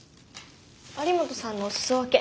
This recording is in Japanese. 有本さんのお裾分け。